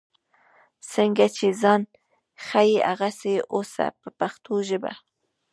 څنګه چې ځان ښیې هغسې اوسه په پښتو ژبه.